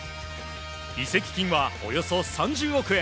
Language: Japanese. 移籍金は、およそ３０億円。